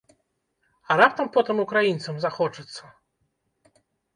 А раптам потым украінцам захочацца?